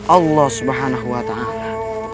allah subhanahu wa ta'ala